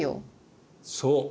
そう。